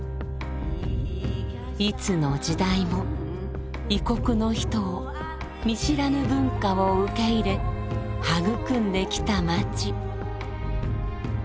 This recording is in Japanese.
いつの時代も異国の人を見知らぬ文化を受け入れ育んできた街。